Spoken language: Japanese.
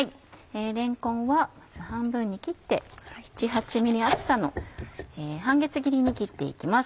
れんこんはまず半分に切って７８ｍｍ厚さの半月切りに切って行きます。